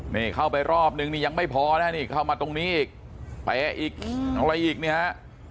นี่เข้าไปรอบนึงนี่ยังไม่พอนะนี่เข้ามาตรงนี้อีกเตะอีกอะไรอีกเนี่ยฮะ